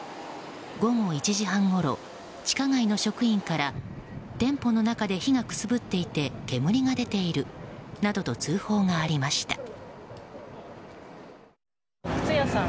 午後１時半ごろ地下街の職員から店舗の中で火がくすぶっていて煙が出ているなどと通報がありました。